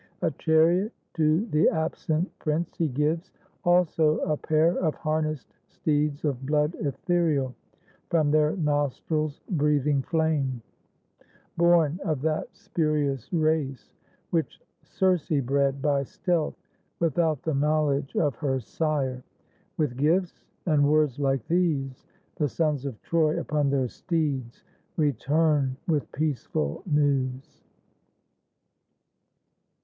A chariot to the absent prince he gives. Also a pair of harnessed steeds of blood Ethereal, from their nostrils breathing flame, — 252 THE ARRIVAL OF ^NEAS IN ITALY Born of that spurious race which Circe bred By stealth, without the knowledge of her sire. With gifts and words like these, the sons of Troy Upon their steeds return with peaceful news.